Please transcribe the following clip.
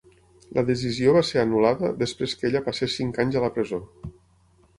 La decisió va ser anul·lada després que ella passés cinc anys a la presó.